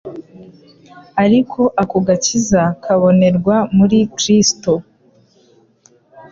ariko ako gakiza kabonerwa muri Kristo